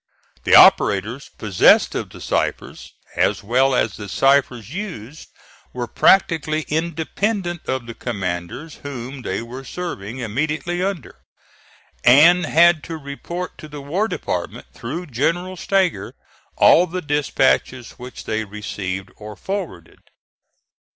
The operators possessed of the ciphers, as well as the ciphers used, were practically independent of the commanders whom they were serving immediately under, and had to report to the War Department through General Stager all the dispatches which they received or forwarded.